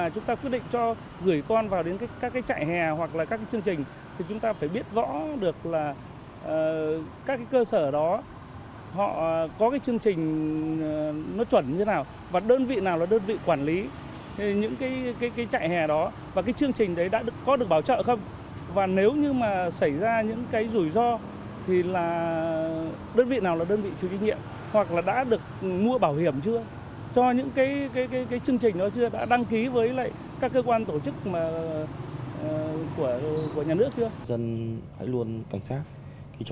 các chương trình đã đăng ký với các cơ quan tổ chức